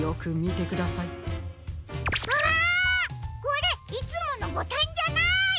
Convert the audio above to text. これいつものボタンじゃない！